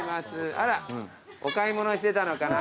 あらお買い物してたのかな？